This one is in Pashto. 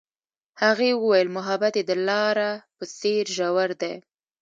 هغې وویل محبت یې د لاره په څېر ژور دی.